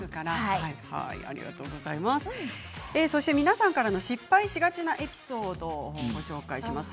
そして皆さんからの失敗しがちなエピソードご紹介します